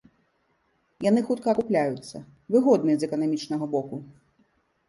Яны хутка акупляюцца, выгодныя з эканамічнага боку.